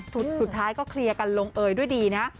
สุดท้ายก็เคลียร์กันลงเอยด้วยดีนะ